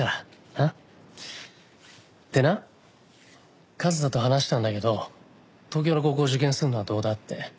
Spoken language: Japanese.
なっ？でな和沙と話したんだけど東京の高校を受験するのはどうだって。